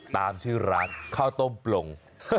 ตามชื่อร้านข้าวต้มปลง